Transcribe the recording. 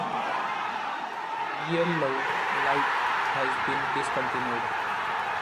Beerlao Light has been discontinued.